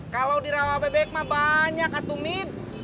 kalau di rawabebek mah banyak atumid